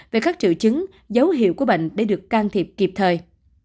về các triệu chứng dấu hiệu của bệnh để được can thiệp kịp thời